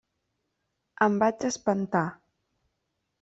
Em vaig espantar.